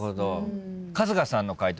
春日さんの解答